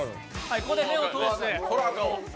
ここで目を通して。